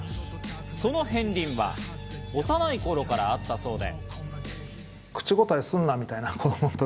その片りんは幼い頃からあったそうで。